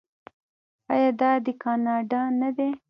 آیا دا دی کاناډا نه دی؟